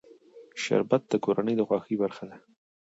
شربت د کورنۍ د خوښۍ برخه ده